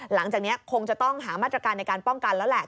หลังจากนี้คงจะต้องหามาตรการในการป้องกันแล้วแหละ